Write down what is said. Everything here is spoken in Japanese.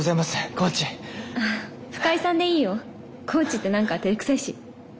コーチってなんかてれくさいし。